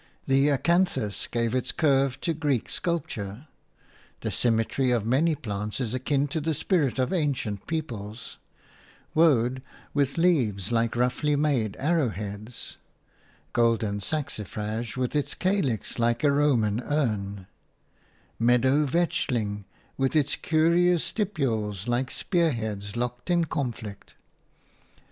The acanthus gave its curve to Greek sculpture. The symmetry of many plants is akin to the spirit of ancient peoples – woad, with leaves like roughly made arrow heads; golden saxifrage, with its calix like a Roman urn; meadow vetchling, with its curious stipules like spearheads locked in conflict.